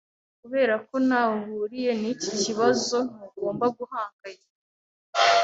Kubera ko ntaho uhuriye niki kibazo, ntugomba guhangayika.